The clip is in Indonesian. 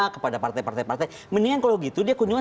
kepada partai partai partai mendingan kalau gitu dia kunjungan